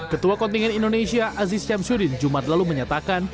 ketua kontingen indonesia aziz syamsuddin jumat lalu menyatakan